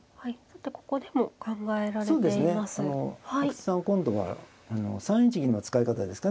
阿久津さん今度は３一銀の使い方ですかね。